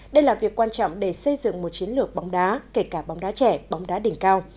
đây là việc quan trọng để xây dựng một chiến lược bóng đá kể cả bóng đá trẻ bóng đá đỉnh cao